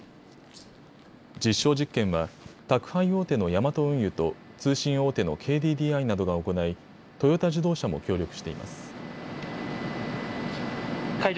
実証実験は宅配大手のヤマト運輸と通信大手のＫＤＤＩなどが行いトヨタ自動車も協力しています。